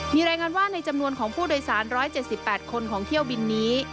มีรายงานว่าในจำนวนของผู้โดยสาร๑๗๘คนของเที่ยวบินนี้